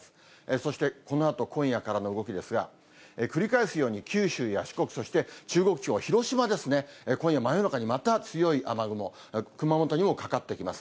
そして、このあと今夜からの動きですが、繰り返すように九州や四国、そして中国地方、広島ですね、今夜、真夜中にまた強い雨雲、熊本にもかかってきます。